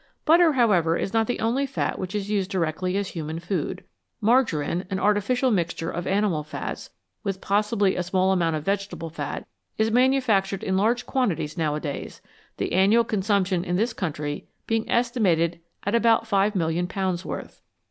Butter, however, is not the only fat which is used directly as human food. Margarine, an artificial mixture of animal fats, with possibly a small amount of vegetable fat, is manufactured in large quantities nowadays, the annual consumption in this country being estimated about .5,000,000 worth.